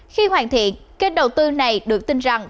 khi hoàn thiện kênh đầu tư này được tin rằng